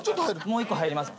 もう１個入ります。